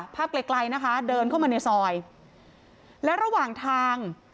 ไกลไกลนะคะเดินเข้ามาในซอยและระหว่างทาง